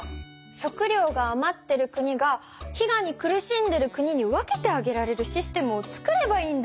食料があまってる国が飢餓に苦しんでる国に分けてあげられるシステムを作ればいいんだ。